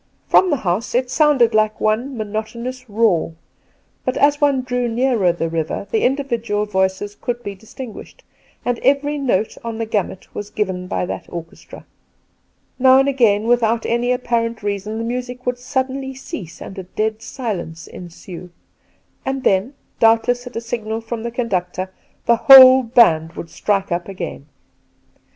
From the house it sounded like one monotonous roar, but as one drew nearer the river the indi vidual voices could be distinguished, and every note on the gamut was given by that orchestra. N^ow and again, without any apparent reason, the music would suddenly cease and a dead silence ensue ; and then, doubtless at a signal from the conductor, the whole band would strike up again.